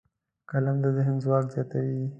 قلم د ذهن ځواک زیاتوي